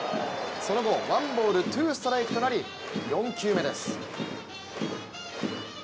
その後、ワンボールツーストライクとなり、４球目です。